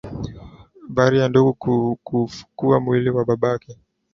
bari ya ndugu kuufukua mwili wa babake